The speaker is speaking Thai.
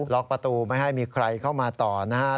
ประตูไม่ให้มีใครเข้ามาต่อนะครับ